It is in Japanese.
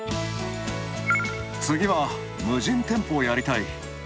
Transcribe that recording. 次は無人店舗をやりたい。